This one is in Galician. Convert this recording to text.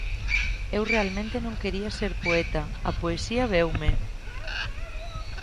Eu realmente non quería ser poeta: a poesía veume.